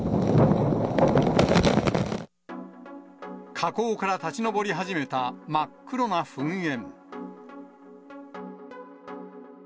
火口から立ち上り始めた真っ黒な噴煙。